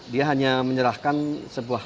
dia hanya menyerahkan sebuah